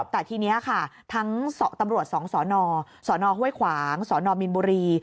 แต่ทีนี้ค่ะทั้งตำรวจ๒สนสนห้วยขวางสนมินบุรี